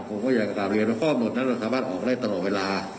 ผมก็อยากจะกลับเรียนว่าข้อกำหนดนั้นเราสามารถออกได้ตลอดเวลา